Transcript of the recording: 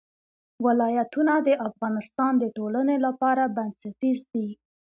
ولایتونه د افغانستان د ټولنې لپاره بنسټیز دي.